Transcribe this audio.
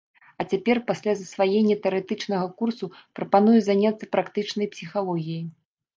А цяпер, пасля засваення тэарэтычнага курсу, прапаную заняцца практычнай псіхалогіяй.